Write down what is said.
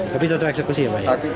tapi tetap eksekusi ya pak